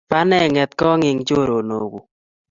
Pane ng'etkong eng choronokuk?